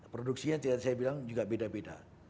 produksinya yang tadi saya bilang juga beda beda